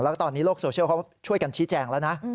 แล้วก็ตอนนี้โลกโซเชียลเขาช่วยกันชี้แจงแล้วนะ